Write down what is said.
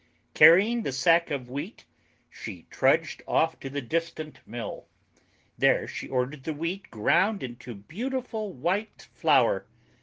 Carrying the sack of Wheat, she trudged off to the distant mill. There she ordered the Wheat ground into beautiful white flour.